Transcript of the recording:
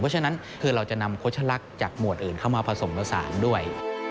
เพราะฉะนั้นคือเราจะนำโฆษลักษณ์จากหมวดอื่นเข้ามาผสมผสานด้วย